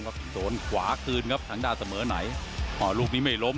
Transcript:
ครับโรคครู้แรกเราผ่านมาสองยกแล้วก็ผีห้าประตายกที่สอง